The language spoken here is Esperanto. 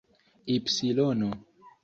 ipsilono